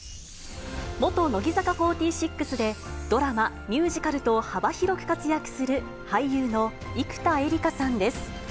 元乃木坂４６で、ドラマ、ミュージカルと幅広く活躍する俳優の生田絵梨花さんです。